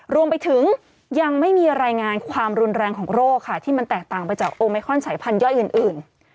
รวมไปถึงยังไม่มีรายงานความรุนแรงของโรคค่ะที่มันแตกต่างไปจากโอเมคอนสายพันธย่อยอื่น